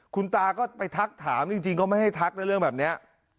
คุณตาก็ไปทักถามจริงเขาไม่ให้ทักนะเรื่องแบบนี้